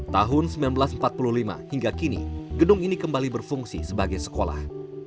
tahun seribu sembilan ratus empat puluh lima hingga kini gedung ini kembali berfungsi sebagai sekolah